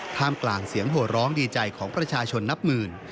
กลางเสียงโหร้องดีใจของประชาชนนับหมื่น